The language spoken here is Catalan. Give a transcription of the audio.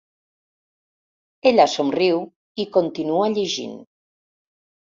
Ella somriu i continua llegint.